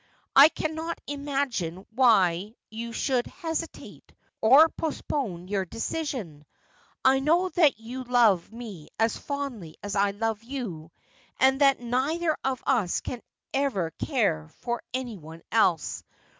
I cannot imagine why you should hesitate, or postpone your deci sion. I know that you love me as fondly as I love you, and that neither of us can ever care for anyone else.